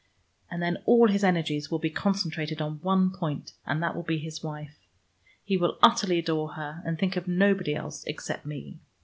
And then all his energies will be concentrated on one point, and that will be his wife. He will utterly adore her, and think of nobody else except me.